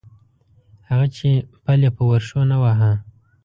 هغه چې پل یې په ورشو نه واهه.